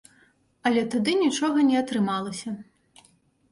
Але тады нічога не атрымалася.